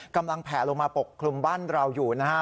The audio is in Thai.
กำลังแผลลงมาปกคลุมบ้านเราอยู่นะครับ